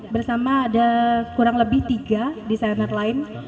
bersama ada kurang lebih tiga desainer lain